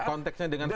konteksnya dengan film